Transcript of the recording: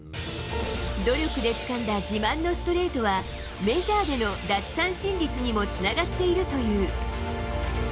努力でつかんだ自慢のストレートは、メジャーでの奪三振率にもつながっているという。